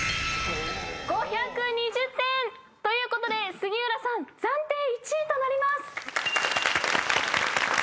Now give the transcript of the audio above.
５２０点！ということで杉浦さん暫定１位となります。